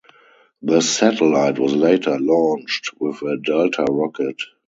The satellite was later launched with a Delta rocket.